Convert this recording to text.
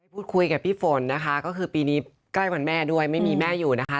พูดคุยกับพี่ฝนนะคะก็คือปีนี้ใกล้วันแม่ด้วยไม่มีแม่อยู่นะคะ